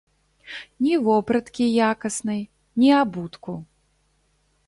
Ні вопраткі якаснай, ні абутку.